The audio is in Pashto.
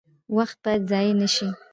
وخت باید ضایع نشي